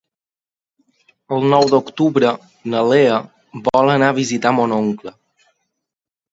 El nou d'octubre na Lea vol anar a visitar mon oncle.